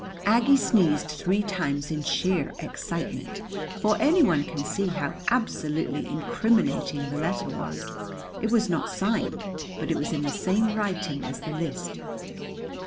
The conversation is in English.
Aggie sneezed three times in sheer excitement; for anyone can see how absolutely incriminating the letter was. It was not signed, but it was in the same writing as the list.